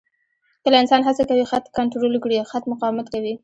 کله انسان هڅه کوي خط کنټرول کړي، خط مقاومت کوي.